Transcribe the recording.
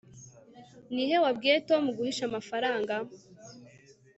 ni he wabwiye tom guhisha amafaranga